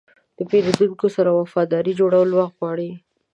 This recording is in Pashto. د پیرودونکو سره وفاداري جوړول وخت غواړي.